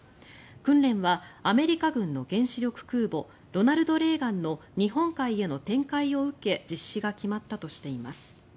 訓練はアメリカ軍の原子力空母「ロナルド・レーガン」の日本海への展開を受け実施が決まったとしています。